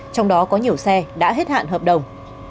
trong đó có nhiều xe đã hết hạn hợp đồng